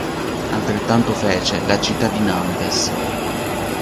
Altrettanto fece la città di Nantes.